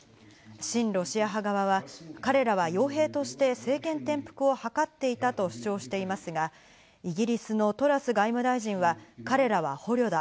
親ロシア派側は彼らは傭兵として政権転覆をはかっていたと主張していますが、イギリスのトラス外務大臣は彼らは捕虜だ。